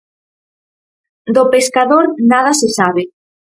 Do pescador nada se sabe.